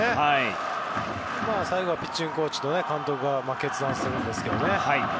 最後はピッチングコーチと監督が決断するんですけどね。